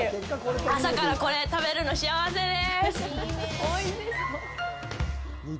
朝からこれ食べるの幸せでーす。